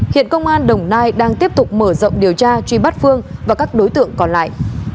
hiện công an đồng nai đang tiếp tục mở rộng điều tra truy bắt phương và các đối tượng còn lại